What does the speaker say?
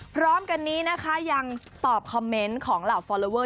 พร้อมกันนี้นะคะยังตอบคอมเมนต์ของเหล่าฟอลลอเวอร์